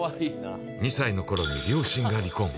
２歳の頃に両親が離婚。